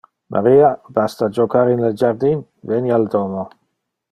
Maria, basta jocar in le jardin, veni al domo.